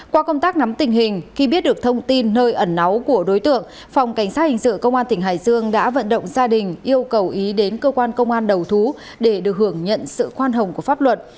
qua công tác nắm tình hình khi biết được thông tin nơi ẩn náu của đối tượng phòng cảnh sát hình sự công an tỉnh hải dương đã vận động gia đình yêu cầu ý đến cơ quan công an đầu thú để được hưởng nhận sự khoan hồng của pháp luật